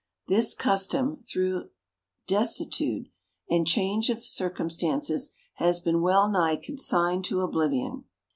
This custom, through desuetude, and change of circumstances, has been well nigh consigned to oblivion.